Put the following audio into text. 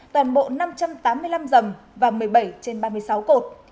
toàn bộ năm trăm tám mươi năm dầm và một mươi bảy trên ba mươi sáu cột